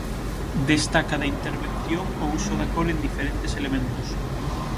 Destaca da intervención o uso da cor en diferentes elementos.